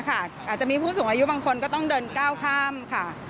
อาจจะมีผู้สูงอายุบางคนก็ต้องเดินก้าวข้ามค่ะ